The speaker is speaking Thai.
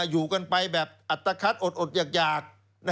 อยู่กันไปแบบอัตภัทอดอยาก